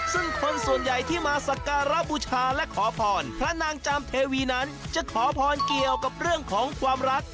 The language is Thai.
ซึ่งคนส่วนใหญ่ที่มาสักการะบูชาและขอพรพระนางจามเทวีนั้นจะขอพรเกี่ยวกับเรื่องของความรัก